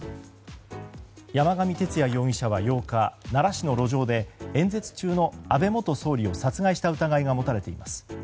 山上徹也容疑者は８日奈良市の路上で演説中の安倍元総理を殺害した疑いが持たれています。